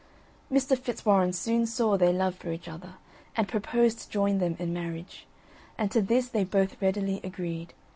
Mr. Fitzwarren soon saw their love for each other, and proposed to join them in marriage; and to this they both readily agreed.